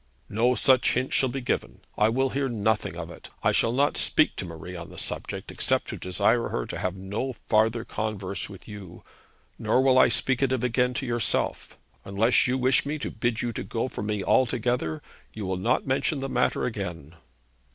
'No such hint shall be given. I will hear nothing of it. I shall not speak to Marie on the subject, except to desire her to have no farther converse with you. Nor will I speak of it again to yourself; unless you wish me to bid you go from me altogether, you will not mention the matter again.'